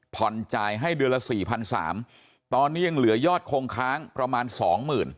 จ่ายให้เดือนละสี่พันสามตอนนี้ยังเหลือยอดคงค้างประมาณสองหมื่น